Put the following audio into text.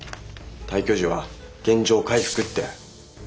退去時は原状回復って。